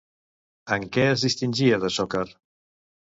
En què es distingia de Sokar?